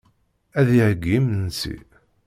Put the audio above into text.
Ad d-iheyyi imensi.